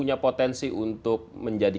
saya tidak tahu